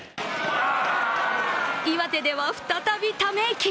岩手では再びため息。